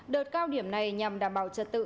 đợt cao điểm này nhằm đảm bảo trật tự